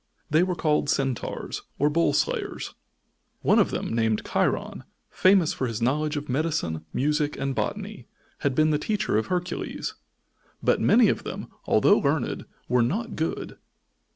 They were called Centaurs, or Bull Slayers. One of them named Cheiron, famous for his knowledge of medicine, music and botany, had been the teacher of Hercules. But many of them, although learned, were not good.